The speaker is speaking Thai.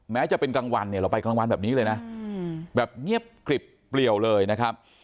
แม้จะเป็นกลางวันเนี่ยเราไปกลางวันแบบนี้เลยนะแบบเงียบกริบเปลี่ยวเลยนะครับ